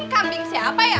ini kambing siapa ya